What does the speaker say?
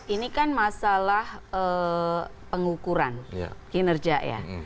ini kan masalah pengukuran kinerja ya